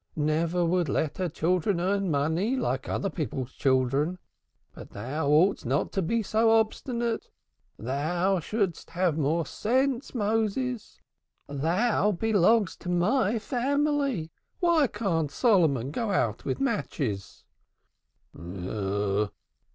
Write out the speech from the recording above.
Never would let her children earn money like other people's children. But thou oughtest not to be so obstinate. Thou shouldst have more sense, Méshe; thou belongest not to my family. Why can't Solomon go out with matches?"